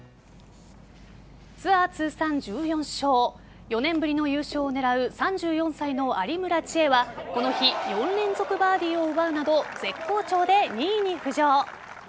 ツアー通算１４勝４年ぶりの優勝を狙う３４歳の有村智恵はこの日、４連続バーディーを奪うなど絶好調で２位に浮上。